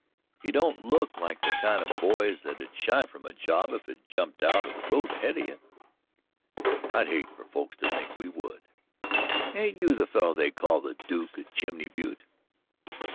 "You don't look like the kind of boys that'd shy from a job if it jumped out in the road ahead of you." "I'd hate for folks to think we would." "Ain't you the feller they call; the Duke of Chimney Butte?"